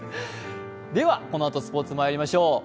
このあとスポーツにまいりましょう。